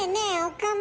岡村。